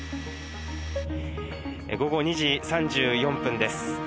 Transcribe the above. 午後２時３４分です。